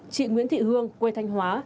chị nguyễn thị hương quê thanh hóa